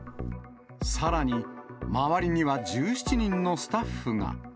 さらに周りには１７人のスタッフが。